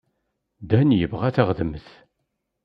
Dan yebɣa taɣdemt.